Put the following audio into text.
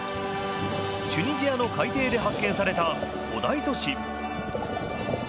チュニジアの海底で発見された古代都市。